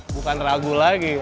bukan ragu lagi